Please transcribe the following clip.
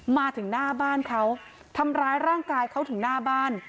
มาถึงหน้าบ้านเขาทำร้ายร่างกายเขาถึงหน้าบ้าน